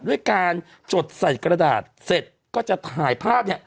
ด้วยการจดใส่กระดาษเสร็จก็จะถ่ายภาพเนี่ย